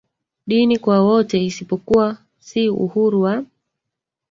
dini kwa wote isipokuwa si uhuru wa